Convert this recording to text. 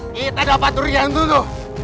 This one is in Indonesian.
kita dapat durian dulu